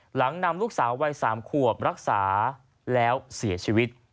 หลังนำลูกสาววัย๓ขวบรักษาแล้วเสียชีวิต